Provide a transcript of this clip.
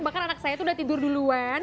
bahkan anak saya itu udah tidur duluan